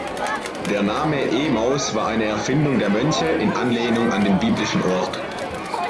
Der Name „Emaus“ war eine Erfindung der Mönche in Anlehnung an den biblischen Ort.